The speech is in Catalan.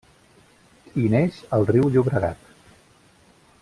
Hi neix el riu Llobregat.